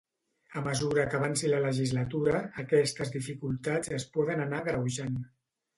A mesura que avanci la legislatura, aquestes dificultats es poden anar agreujant.